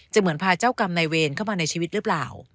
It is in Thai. เหมือนพาเจ้ากรรมนายเวรเข้ามาในชีวิตหรือเปล่า